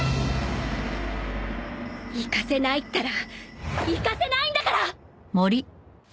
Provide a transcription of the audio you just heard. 行かせないったら行かせないんだから！